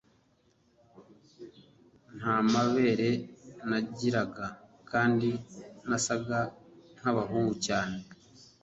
nta mabere nagiraga kandi nasaga nkabahungu cyane